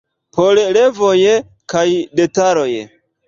Por revoj kaj detaloj.